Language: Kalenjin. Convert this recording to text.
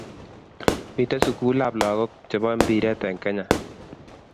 Miten sukul ab lakoko che bo mpiret en Kenya